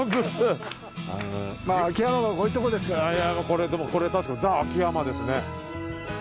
いやこれでもこれ確かにザ秋山ですね。